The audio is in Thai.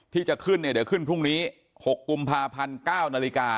ที่จะขึ้นเนี่ยเดี๋ยวขึ้นพรุ่งนี้๖กุมภาพันธ์๙นาฬิกา